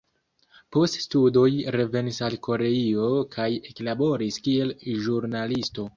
Post studoj revenis al Koreio kaj eklaboris kiel ĵurnalisto.